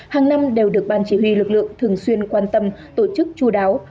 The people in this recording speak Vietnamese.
hàng năm đều được ban chỉ huy lực lượng thường xuyên quan tâm tổ chức chú đáo